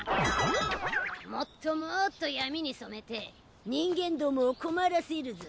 もっともっと闇に染めて人間どもを困らせるぞ。